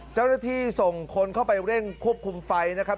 เจ้าหน้าที่ส่งคนเข้าไปเร่งควบคุมไฟนะครับ